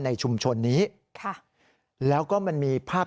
ในชุมชนนี้ค่ะแล้วก็มันมีภาพ